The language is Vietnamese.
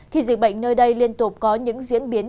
khi dịch bệnh nơi đây liên tục có những diễn biến